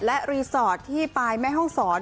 และรีสอร์ทที่ปลายแม่ห้องศร